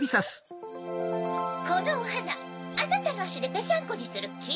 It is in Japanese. このおはなあなたのあしでぺしゃんこにするき？